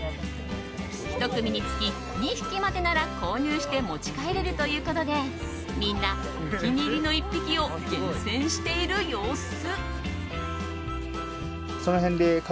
１組につき２匹までなら購入して持ち帰れるということでみんな、お気に入りの１匹を厳選している様子。